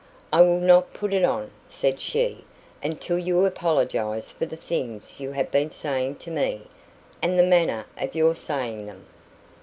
"I will not put it on," said she, "until you apologise for the things you have been saying to me, and the manner of your saying them."